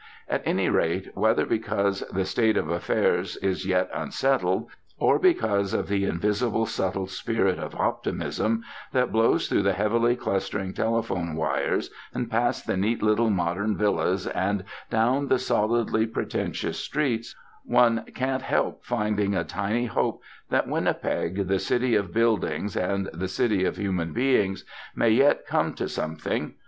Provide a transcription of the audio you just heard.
At any rate, whether because the state of affairs is yet unsettled, or because of the invisible subtle spirit of optimism that blows through the heavily clustering telephone wires and past the neat little modern villas and down the solidly pretentious streets, one can't help finding a tiny hope that Winnipeg, the city of buildings and the city of human beings, may yet come to something.